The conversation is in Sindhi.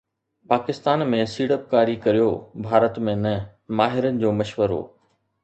پاڪستان ۾ سيڙپڪاري ڪريو، ڀارت ۾ نه، ماهرن جو مشورو